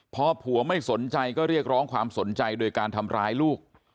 พอผัวไม่สนใจก็เรียกร้องความสนใจโดยการทำร้ายลูก